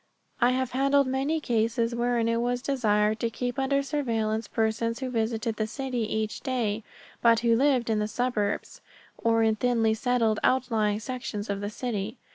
I have handled many cases wherein it was desired to keep under surveillance persons who visited the city each day, but who lived in the suburbs, or in thinly settled outlying sections of the city.